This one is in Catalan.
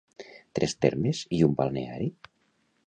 Tres termes i un balneari?